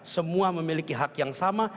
semua memiliki hak yang sama